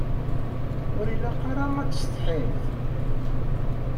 Ur ilaq ara ad tessetḥimt.